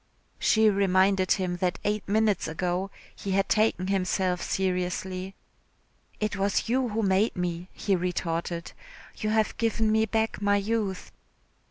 She reminded him that eight minutes ago he had taken himself seriously. "It was you who made me," he retorted, "you have given me back my youth."